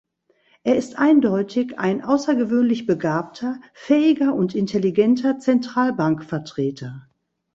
Er ist eindeutig ein außergewöhnlich begabter, fähiger und intelligenter Zentralbankvertreter.